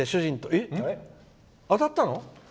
えっ、当たったの？